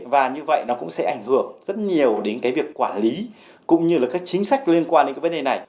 và như vậy nó cũng sẽ ảnh hưởng rất nhiều đến cái việc quản lý cũng như là các chính sách liên quan đến cái vấn đề này